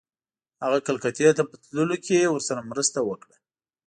هغه کلکتې ته په تللو کې ورسره مرسته وکړه.